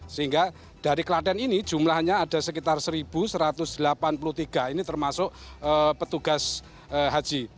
sehingga dari klaten ini jumlahnya ada sekitar satu satu ratus delapan puluh tiga ini termasuk petugas haji